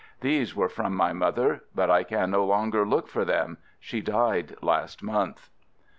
" These were from my mother — but I can no longer look for them — she died last month."